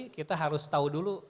kita harus tahu dulu